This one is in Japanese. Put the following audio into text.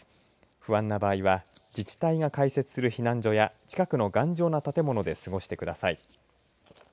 不安な場合は自治体が開設する避難所や近くの頑丈な建物で過ごすようにしてください。